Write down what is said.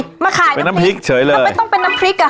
มาขายเป็นน้ำพริกเฉยเลยทำไมต้องเป็นน้ำพริกอ่ะ